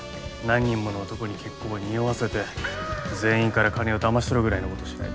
何人もの男に結婚を匂わせて全員から金をだまし取るぐらいのことしないと。